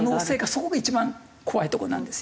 そこが一番怖いとこなんですよ。